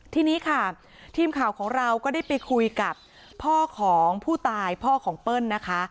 ทีนี้ค่ะทีมข่าวของเราก็ได้ไปคุยกับพ่อของผู้ตายพ่อของเปิ้ลนะคะ